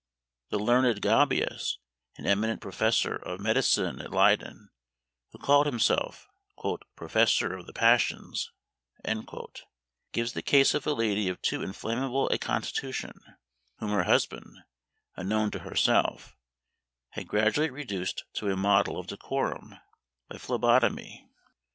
The learned Gaubius, an eminent professor of medicine at Leyden, who called himself "professor of the passions," gives the case of a lady of too inflammable a constitution, whom her husband, unknown to herself, had gradually reduced to a model of decorum, by phlebotomy.